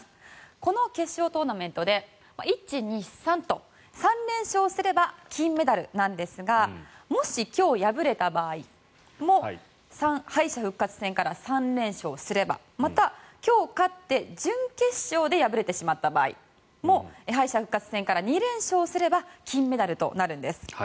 この決勝トーナメントで１、２、３と３連勝すれば金メダルなんですがもし今日敗れた場合も敗者復活戦から３連勝すればまた、今日勝って準決勝で敗れてしまった場合も敗者復活戦から２連勝すれば金メダルとなるんです。